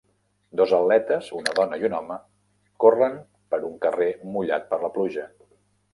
Dos atletes, una dona i un home corren per un carrer mullat per la pluja.